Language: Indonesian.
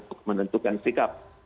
untuk menentukan sikap